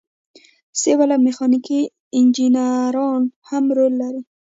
سیول او میخانیکي انجینران هم رول لري.